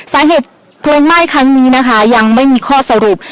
สาเหตุเพลิงไหม้ครั้งนี้นะคะยังไม่มีข้อสรุป